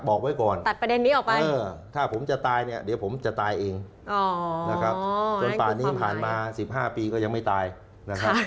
บอกไว้ก่อนตัดประเด็นนี้ออกไปถ้าผมจะตายเนี่ยเดี๋ยวผมจะตายเองนะครับจนป่านี้ผ่านมา๑๕ปีก็ยังไม่ตายนะครับ